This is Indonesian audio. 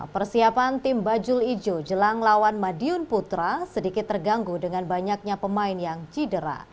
persiapan tim bajul ijo jelang lawan madiun putra sedikit terganggu dengan banyaknya pemain yang cedera